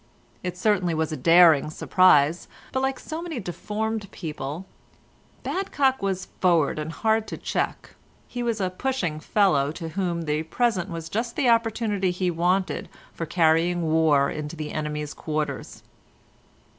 It certainly was a daring surprise, but like so many deformed people, Badcock was forward and hard to check; he was a pushing fellow to whom the present was just the opportunity he wanted for carrying war into the enemy's quarters.